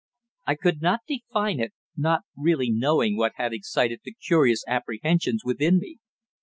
I could not define it, not really knowing what had excited the curious apprehensions within me.